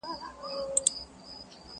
o د کمبلي پر يوه سر غم وي، پر بل سر ئې ښادي!